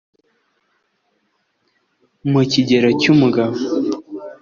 Mu kigero cy'umugabo